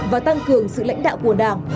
và tăng cường sự lãnh đạo của đảng